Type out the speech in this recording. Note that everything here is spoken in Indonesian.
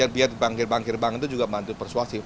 biar bank bank itu juga bantu persuasi